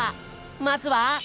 まずは。